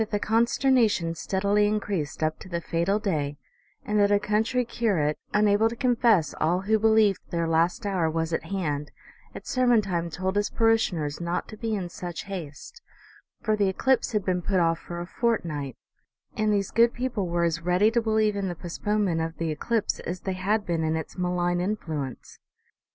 the consternation steadily increased up to the fatal day, and that a country curate, unable to confess all who be lieved their last hour was at hand, at sermon time told his parishioners not to be in such haste, for the eclipse had been put off for a fortnight ; and these good people were as ready to believe in the postponement of the eclipse as they had been in its malign influence.